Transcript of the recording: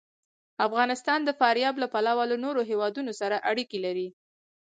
افغانستان د فاریاب له پلوه له نورو هېوادونو سره اړیکې لري.